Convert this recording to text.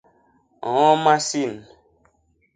ñño masin.